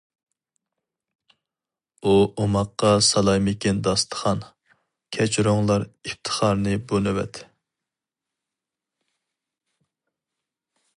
ئۇ ئوماققا سالايمىكىن داستىخان، كەچۈرۈڭلار ئىپتىخارنى بۇ نۆۋەت.